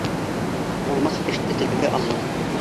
Булмаҫ эште телгә алма.